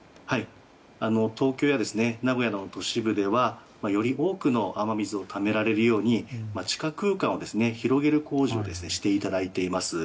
東京や名古屋などの都市部では、より多くの雨水をためられるように地下空間を広げる工事をしていただいています。